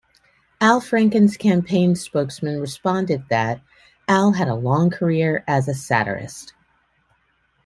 Al Franken's campaign spokesman responded that, Al had a long career as a satirist.